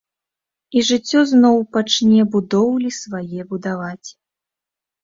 І жыццё зноў пачне будоўлі свае будаваць.